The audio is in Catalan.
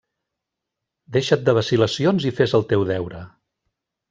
Deixa't de vacil·lacions i fes el teu deure!